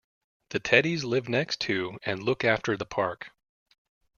The teddies live next to and look after the park.